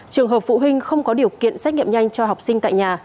trường hợp phụ huynh không có điều kiện xét nghiệm nhanh cho học sinh tại nhà